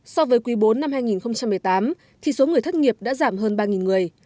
so với quý bốn năm hai nghìn một mươi tám thì số người thất nghiệp đã giảm hơn ba người